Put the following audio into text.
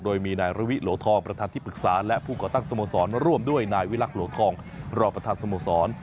โดยมีนายระวิโหลทองประธานที่ปรึกษาและผู้ก่อตั้งสโมสรร่วมด้วยนายวิลักษ์หลวงทองรองประธานสโมสร